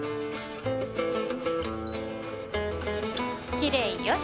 きれいよし！